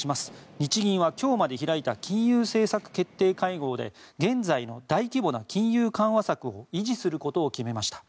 日銀は今日まで開いた金融政策決定会合で現在の大規模な金融緩和策を維持することを決めました。